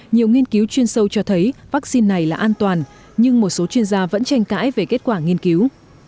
nhiều nghiên cứu chuyên sâu cho thấy vaccine này là an toàn nhưng một số chuyên gia vẫn tranh cãi về kết quả nghiên cứu